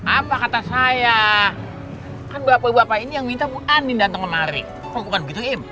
apa kata saya kan bapak bapak ini yang minta bu aninda ntar ngemarin lu bukan begitu im